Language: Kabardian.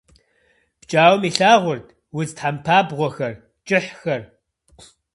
Пкӏауэм илъагъурт удз тхьэмпабгъуэхэр, кӏыхьхэр.